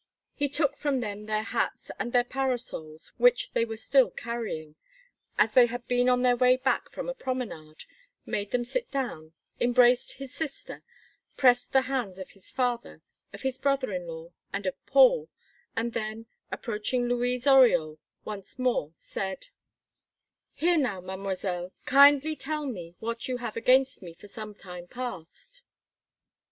He took from them their hats and their parasols, which they were still carrying, as they had been on their way back from a promenade, made them sit down, embraced his sister, pressed the hands of his father, of his brother in law, and of Paul, and then, approaching Louise Oriol once more, said: "Here now, Mademoiselle, kindly tell me what you have against me for some time past?"